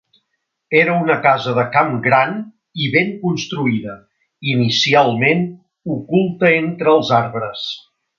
Era una casa de camp gran i ben construïda, inicialment oculta entre els arbres.